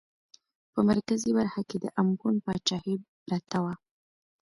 په مرکزي برخه کې د امبون پاچاهي پرته وه.